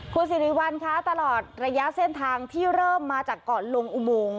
คุณสิริวัลคะตลอดระยะเส้นทางที่เริ่มมาจากก่อนลงอุโมง